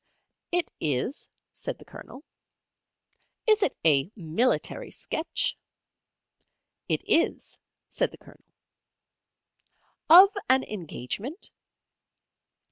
"It is," said the Colonel. "Is it a military sketch?" "It is," said the Colonel. "Of an engagement?"